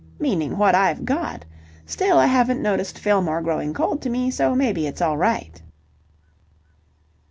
meaning what I've got. Still, I haven't noticed Fillmore growing cold to me, so maybe it's all right."